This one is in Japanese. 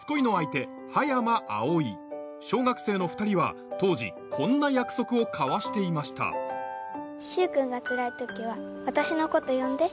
小学生の２人は当時こんな約束を交わしていました柊くんがつらい時は私のこと呼んで。